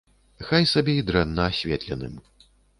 Хай сабе і дрэнна асветленым.